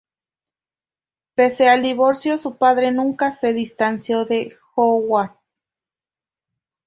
Pese al divorcio, su padre nunca se distanció de Howard.